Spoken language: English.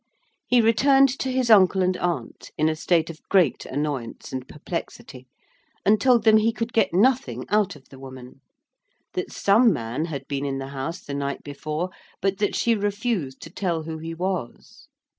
He returned to his uncle and aunt in a state of great annoyance and perplexity, and told them he could get nothing out of the woman; that some man had been in the house the night before; but that she refused to tell who he was.